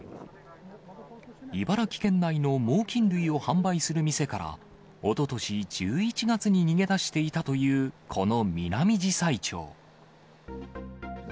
茨城県内の猛きん類を販売する店から、おととし１１月に逃げ出していたというこのミナミジサイチョウ。